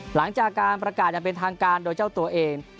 หลังจากการประกาศอย่างเป็นทางการโดยเจ้าตัวเอง